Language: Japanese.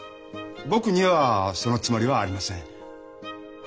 僕にはそのつもりはありません。